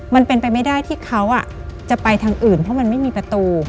มันเป็นไปไม่ได้ที่เขาจะไปทางอื่นเพราะมันไม่มีประตู